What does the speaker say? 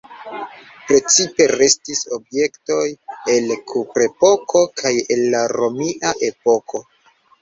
Precipe restis objektoj el kuprepoko kaj el la romia epoko.